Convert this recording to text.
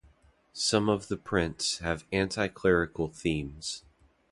Some of the prints have anticlerical themes.